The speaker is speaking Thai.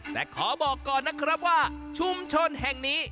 แต่ขอบอกก่อนนะครับว่าชุมชนแห่งนี้